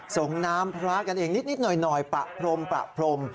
ส่งน้ำพระกันเองนิดหน่อยปะพรมปะพรม